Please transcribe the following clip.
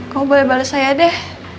kamu boleh bales saya deh